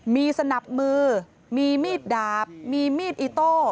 มีสนับมือมีมีดดาบมีมีดอิโต้